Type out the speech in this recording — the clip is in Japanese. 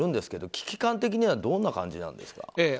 危機感的にはどんな感じですか？